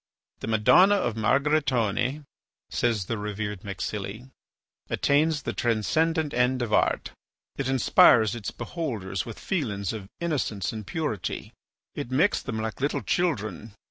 "The Madonna of Margaritone," says the revered MacSilly, "attains the transcendent end of art. It inspires its beholders with feelings of innocence and purity; it makes them like little children.